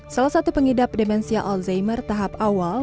salah satu pengidap demensia alzheimer tahap awal